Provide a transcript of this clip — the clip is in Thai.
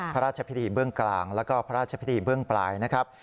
พระราชพิธีเบื้องกลางแล้วก็พระราชพิธีเบื้องปลายนะครับ